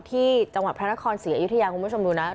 ที่จังหวัดพระนครศรีอยุธยาคุณผู้ชมดูนะ